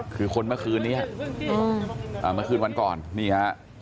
คือคนเมื่อคืนนี้เมื่อคืนวันก่อนนี่ฮะ